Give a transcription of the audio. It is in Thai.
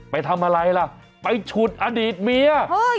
ไปทำอะไรล่ะไปฉุดอดีตเมีย